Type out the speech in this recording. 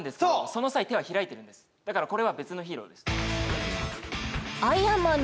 その際手は開いてるんですだからこれは別のヒーローです